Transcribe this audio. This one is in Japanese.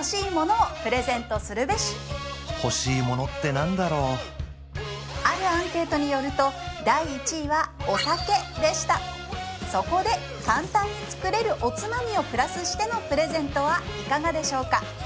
欲しいものって何だろうあるアンケートによると第１位はお酒でしたそこで簡単に作れるおつまみをプラスしてのプレゼントはいかがでしょうか